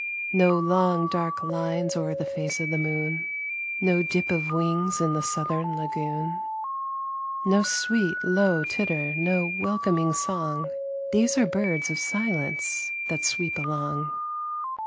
No long, dark lines o'er the face of the moon; No dip of wings in the southern lagoon. No sweet, low titter, no welcoming song; These are birds of silence that sweep along.